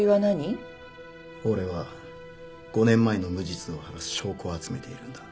俺は５年前の無実を晴らす証拠を集めているんだ。